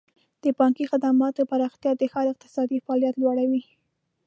د بانکي خدماتو پراختیا د ښار اقتصادي فعالیت لوړوي.